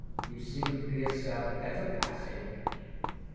You've seen for yourself: there's a passage."